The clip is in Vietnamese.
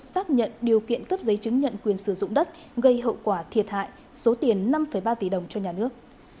xác nhận điều kiện cấp giấy chứng nhận quyền sử dụng đất gây hậu quả thiệt hại số tiền năm ba tỷ đồng cho nhà nước